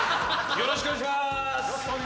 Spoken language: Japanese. よろしくお願いします。